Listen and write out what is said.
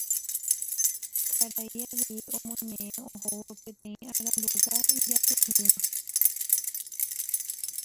Karai avei omoñeʼẽ ohóvo peteĩ aranduka ijapehũva.